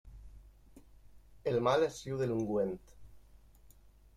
El mal es riu de l'ungüent.